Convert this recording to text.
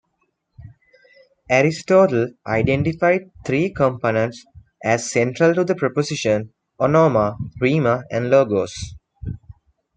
Aristotle identified three components as central to the proposition: "onoma", "rhema" and "logos".